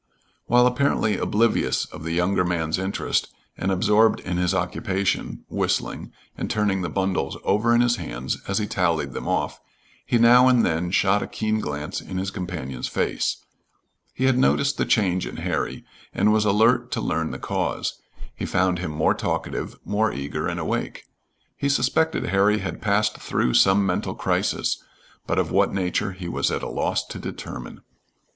While apparently oblivious of the younger man's interest, and absorbed in his occupation, whistling, and turning the bundles over in his hands as he tallied them off, he now and then shot a keen glance in his companion's face. He had noticed the change in Harry, and was alert to learn the cause. He found him more talkative, more eager and awake. He suspected Harry had passed through some mental crisis, but of what nature he was at a loss to determine.